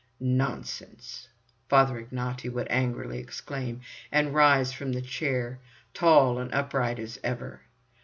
"Nonsense!" Father Ignaty would angrily exclaim, and rise from the chair, tall and upright as ever.